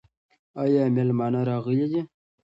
ایا مېلمانه راغلي دي؟